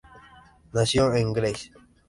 Nació en Grasse.